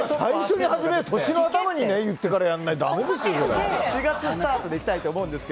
年の頭に言ってやらないとだめですよ。